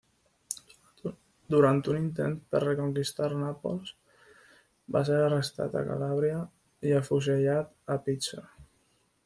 Durant un intent per reconquistar Nàpols, va ser arrestat a Calàbria i afusellat a Pizzo.